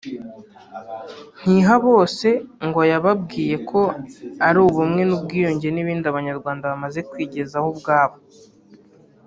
Ntihabose ngo yababwiye ko ari Ubumwe n’Ubwiyunge n’ibindi Abanyarwanda bamaze kwigezaho ubwabo